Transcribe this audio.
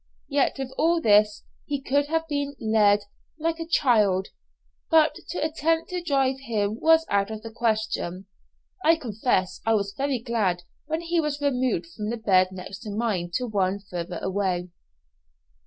Yet with all this, he could have been led like a child; but to attempt to drive him was out of the question. I confess I was very glad when he was removed from the bed next to mine to one further away.